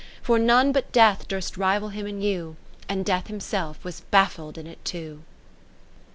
40 For none but Death durst rival him in you ; And Death himself was baffled in it too.